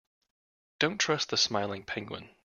Don't trust the smiling penguin.